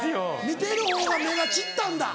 見てるほうが目が散ったんだ。